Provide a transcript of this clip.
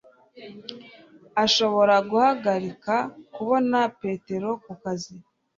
ashobora guhagarika kubona Petero kukazi